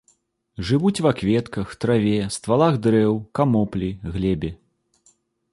Жывуць ва кветках, траве, ствалах дрэў, камоплі, глебе.